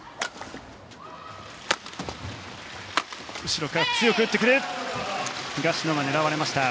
後ろから強く打ってきた。